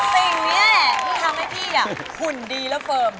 สิ่งเนี้ยที่ทำให้พี่หุ่นดีแล้วเฟิร์ม